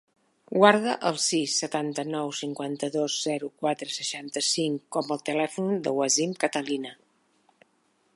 Guarda el sis, setanta-nou, cinquanta-dos, zero, quatre, seixanta-cinc com a telèfon del Wasim Catalina.